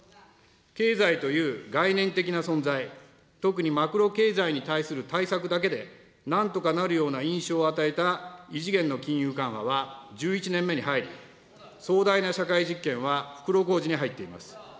経済という概念的な存在、特にマクロ経済に対する対策だけでなんとかなるような印象を与えた、異次元の金融緩和は１１年目に入り、壮大な社会実験は袋小路に入っています。